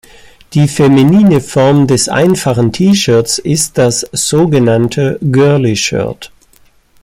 Die feminine Form des einfachen T-Shirts ist das sogenannte "Girlie"-Shirt.